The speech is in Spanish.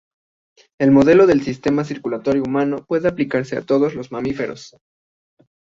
El modelo de sistema circulatorio humano puede aplicarse a todos los mamíferos.